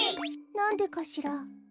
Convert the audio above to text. なんでかしら？